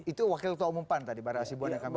itu wakil tua umum pan tadi barahasibuan yang kami rancang